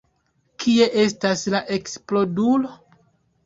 Kie estas la eksplodulo?